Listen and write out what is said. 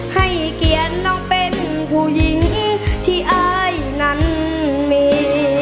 ให้เกียรติน้องเป็นผู้หญิงที่อายนั้นมี